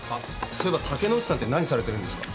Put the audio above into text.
そういえば武内さんって何されてるんですか？